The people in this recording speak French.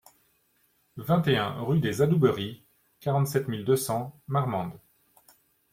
vingt et un rue des Adouberies, quarante-sept mille deux cents Marmande